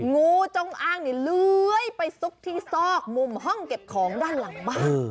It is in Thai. งูจงอ้างนี่เลื้อยไปซุกที่ซอกมุมห้องเก็บของด้านหลังบ้าน